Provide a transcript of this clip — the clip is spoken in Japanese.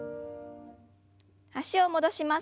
脚を戻します。